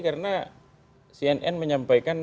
karena cnn menyampaikan